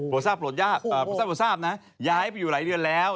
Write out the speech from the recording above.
โปรซาบโปรซาบนะย้ายไปอยู่หลายเดือนแล้ว